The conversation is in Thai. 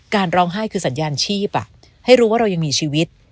ร้องไห้คือสัญญาณชีพให้รู้ว่าเรายังมีชีวิต